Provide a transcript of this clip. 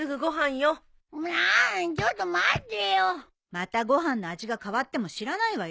またご飯の味が変わっても知らないわよ。